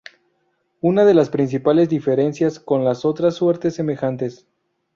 Una de las principales diferencias con las otras suertes semejantes.